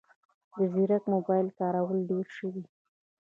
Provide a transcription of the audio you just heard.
د ځیرک موبایل کارول ډېر شوي